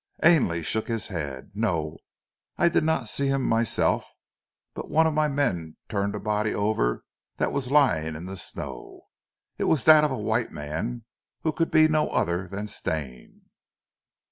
Ainley shook his head. "No, I did not see him myself, but one of my men turned a body over that was lying in the snow. It was that of a white man, who could be no other than Stane!"